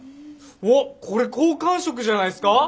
おっこれ好感触じゃないすか？